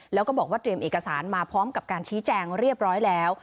แล้วก็บอกว่าเตรียมเอกสารมาพร้อมกับการชี้แจงเรียบร้อยแล้ว